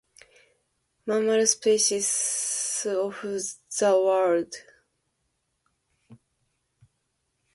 Mammal Species of the World.